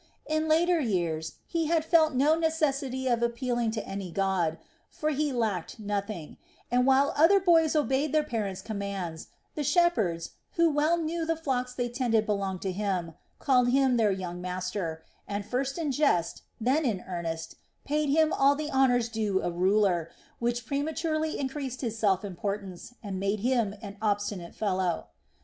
In later years he had felt no necessity of appealing to any god; for he lacked nothing, and while other boys obeyed their parents' commands, the shepherds, who well knew that the flocks they tended belonged to him, called him their young master, and first in jest, then in earnest, paid him all the honor due a ruler, which prematurely increased his self importance and made him an obstinate fellow.